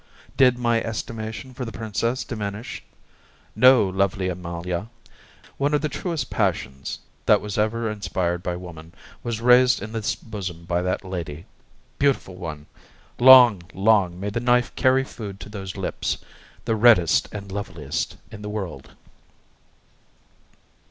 Did my estimation for the Princess diminish? No, lovely Amalia! One of the truest passions that ever was inspired by woman was raised in this bosom by that lady. Beautiful one! long, long may the knife carry food to those lips! the reddest and loveliest in the world!